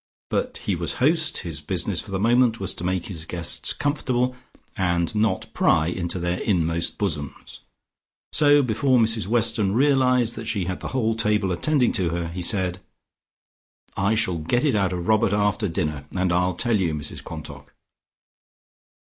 But he was host, his business for the moment was to make his guests comfortable, and not pry into their inmost bosoms. So before Mrs Weston realised that she had the whole table attending to her, he said: "I shall get it out of Robert after dinner. And I'll tell you, Mrs Quantock."